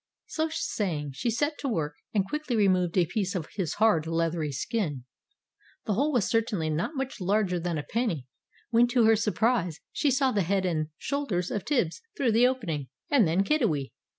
So saying, she set to work, and quickly removed a piece of his hard, leathery skin. The hole was certainly not much larger than a penny, when to her surprise she saw the head and shoulders of Tibbs through the opening, and then Kiddiwee.